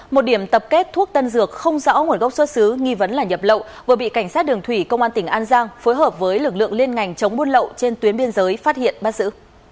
một điểm tập kết thuốc tân dược không rõ nguồn gốc xuất xứ nghi vấn là nhập lậu vừa bị cảnh sát đường thủy công an tỉnh an giang phối hợp với lực lượng liên ngành chống buôn lậu trên tuyến biên giới phát hiện bắt giữ